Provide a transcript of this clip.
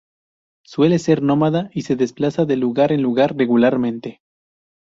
Suele ser nómada, y se desplaza de lugar en lugar regularmente.